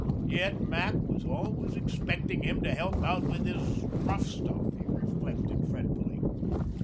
Yet Mac was always expecting him to help out with his rough stuff, he reflected fretfully.